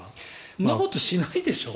そんなことしないでしょ。